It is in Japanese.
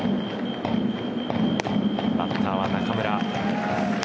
バッターは中村。